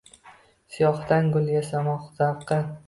Siyohdan gul yasamoq zavqi.